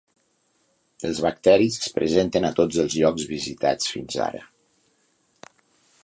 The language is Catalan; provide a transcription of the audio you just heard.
Els bacteris es presenten a tots els llocs visitats fins ara.